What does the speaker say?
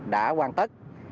đã hoàn tất